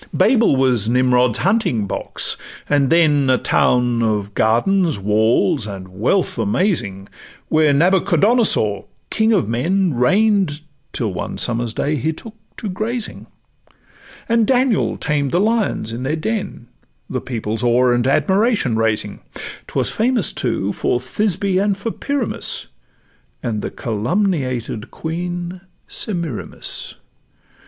Babel was Nimrod's hunting box, and then A town of gardens, walls, and wealth amazing, Where Nabuchadonosor, king of men, Reign'd, till one summer's day he took to grazing, And Daniel tamed the lions in their den, The people's awe and admiration raising; 'Twas famous, too, for Thisbe and for Pyramus, And the calumniated queen Semiramis.